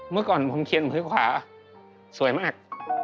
เมื่อก่อนผมเขียนพื้นขวาสวยมาก